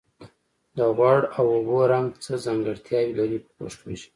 د غوړ او اوبو رنګ څه ځانګړتیاوې لري په پښتو ژبه.